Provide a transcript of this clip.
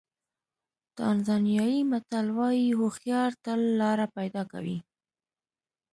تانزانیایي متل وایي هوښیار تل لاره پیدا کوي.